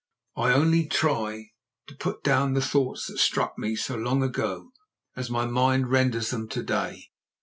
I only try to put down the thoughts that struck me so long ago as my mind renders them to day.